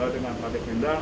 dengan partai gerindra